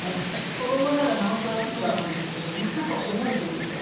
子どもならなおさらそうなんですけど３日間覚えてるんですよ